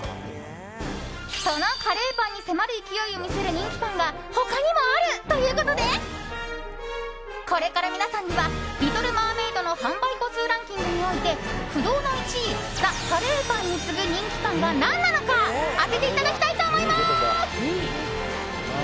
そのカレーパンに迫る勢いを見せる人気パンが他にもあるということでこれから皆さんにはリトルマーメイドの販売個数ランキングにおいて不動の１位ザ・カレーパンに次ぐ人気パンが何なのか当てていただきたいと思います。